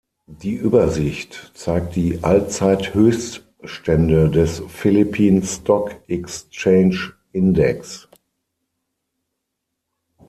Die Übersicht zeigt die Allzeithöchststände des Philippine Stock Exchange Index.